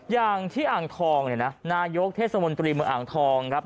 อย่างที่อ่างทองเนี่ยนะนายกเทศมนตรีเมืองอ่างทองครับ